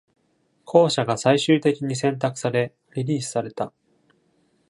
後者が最終的に選択され、リリースされた。